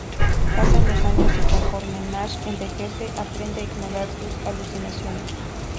Pasan los años y conforme Nash envejece aprende a ignorar sus alucinaciones.